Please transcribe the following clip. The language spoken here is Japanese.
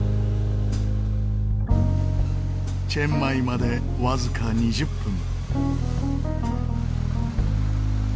チェンマイまでわずか２０分。